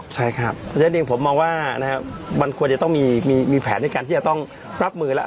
ใช่ครับเพราะฉะนั้นผมมองว่านะครับมันควรจะต้องมีแผนที่จะต้องรับมือแล้ว